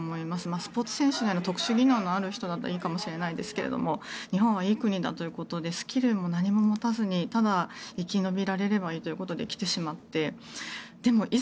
スポーツ選手のような特殊技能のある人ならいいかもしれないですけど日本はいい国だということでスキルも何も持たずにただ生き延びられればいいということで来てしまっていざ